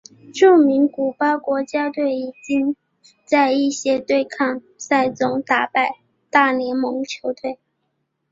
著名古巴国家队已经在一些对抗赛中打败大联盟球队。